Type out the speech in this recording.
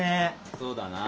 そうだな。